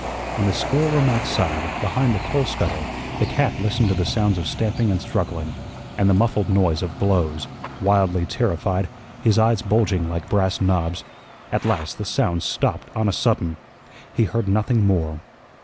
In the schoolroom outside, behind the coal scuttle, the cat listened to the sounds of stamping and struggling and the muffled noise of blows, wildly terrified, his eyes bulging like brass knobs. At last the sounds stopped on a sudden; he heard nothing more.